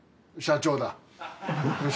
社長だ。